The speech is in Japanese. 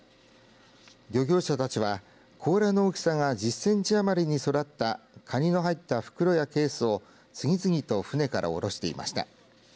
漁業者たちは甲羅の大きさが１０センチ余りに育ったカニの入った袋やケースを次々と船から降ろしていました。